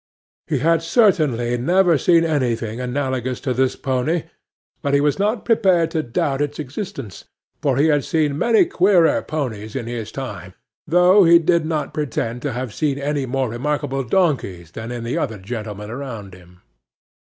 He had certainly never seen anything analogous to this pony, but he was not prepared to doubt its existence; for he had seen many queerer ponies in his time, though he did not pretend to have seen any more remarkable donkeys than the other gentlemen around him.